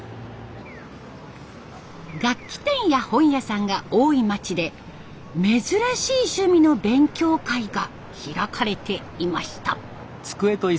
楽器店や本屋さんが多い町で珍しい趣味の勉強会が開かれていました。